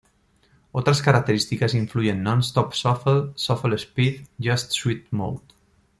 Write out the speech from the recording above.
Otras características incluyen "Non-Stop Shuffle", "Shuffle Speed", "Just Sweat Mode".